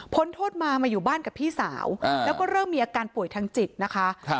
โทษมามาอยู่บ้านกับพี่สาวแล้วก็เริ่มมีอาการป่วยทางจิตนะคะ